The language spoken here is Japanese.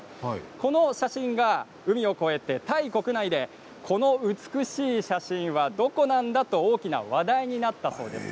この写真が海を越えてタイ国内でこの美しい写真はどこなんだと大きな話題となったそうです。